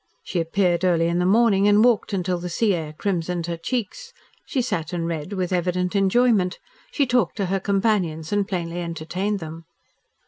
She appeared early in the morning and walked until the sea air crimsoned her cheeks, she sat and read with evident enjoyment, she talked to her companions and plainly entertained them.